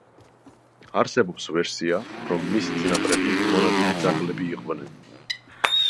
არსებობს ვერსია, რომ მისი წინაპრები მონადირე ძაღლები იყვნენ.